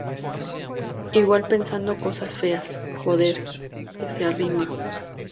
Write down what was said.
igual pensando cosas feas... joder, que se arrima.